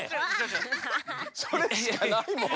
それしかないもんね。